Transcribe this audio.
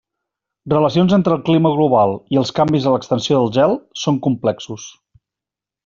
Relacions entre el clima global i els canvis en l'extensió del gel són complexos.